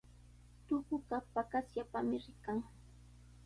Tukuqa paqasllapami rikan.